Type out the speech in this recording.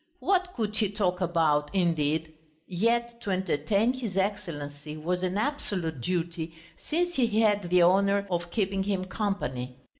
What could he talk about, indeed? Yet to entertain his Excellency was an absolute duty since he had the honour of keeping him company.